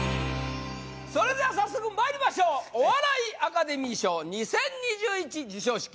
それでは早速まいりましょうお笑いアカデミー賞２０２１授賞式